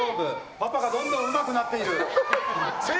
パパがどんどんうまくなっている。